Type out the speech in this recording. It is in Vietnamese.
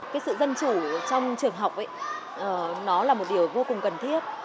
cái sự dân chủ trong trường học ấy nó là một điều vô cùng cần thiết